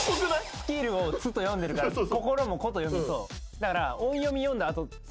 「尽きる」を「つ」と読んでるから「心」も「こ」と読みそう。